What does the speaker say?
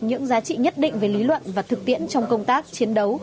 những giá trị nhất định về lý luận và thực tiễn trong công tác chiến đấu